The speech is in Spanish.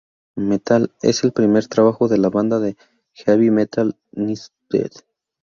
Metal es el primer trabajo de la banda de Heavy Metal Newsted.